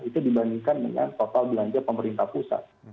itu dibandingkan dengan total belanja pemerintah pusat